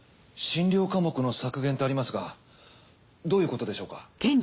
診療科目の削減とありますがどういうことでしょうか？